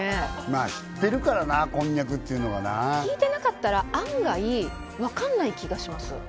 まあ知ってるからなこんにゃくっていうのがな聞いてなかったら案外分かんない気がします